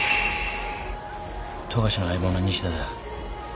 富樫の相棒の西田だ。